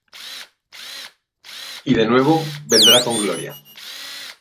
y de nuevo vendrá con gloria